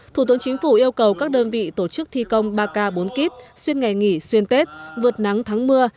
thủ tướng chính phủ yêu cầu các đơn vị tổ chức thi công ba k bốn k xuyên ngày nghỉ xuyên tết vượt nắng thắng mưa